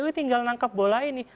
kpu ini tinggal menangkap bola ini